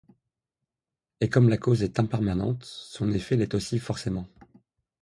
Et comme la cause est impermanente, son effet l'est aussi forcément.